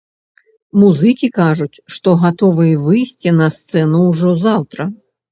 Музыкі кажуць, што гатовыя выйсці на сцэну ўжо заўтра.